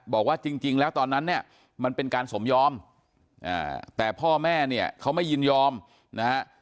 บอกว่าจริงแล้วตอนนั้นเนี่ยมันเป็นการสมยอมแต่พ่อแม่เนี่ยเขาไม่ยินยอมนะฮะ